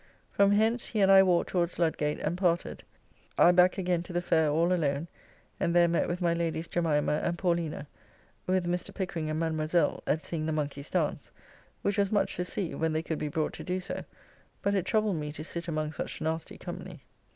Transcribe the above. From hence he and I walked towards Ludgate and parted. I back again to the fair all alone, and there met with my Ladies Jemimah and Paulina, with Mr. Pickering and Madamoiselle, at seeing the monkeys dance, which was much to see, when they could be brought to do so, but it troubled me to sit among such nasty company.